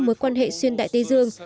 một quan hệ xuyên đại tây dương